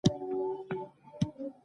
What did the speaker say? د خولې لاړې څلور لاندې دندې تر سره کوي.